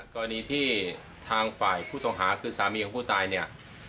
กรณีที่ทางฝ่ายผู้ต้องหาคือสามีของผู้ตายเนี่ย